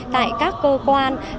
tại các cơ quan